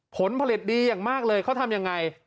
ผลผลิตดีอย่างมากเลยเขาทำยังไง